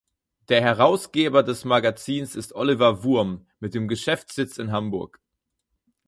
Der Herausgeber des Magazins ist Oliver Wurm mit dem Geschäftssitz in Hamburg.